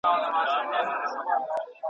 چي څوک ولویږي له واک او له قدرته .